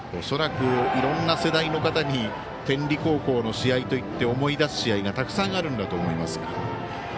恐らく、いろいろな世代の方天理高校の試合といって思い出す試合がたくさんあるんだと思いますが。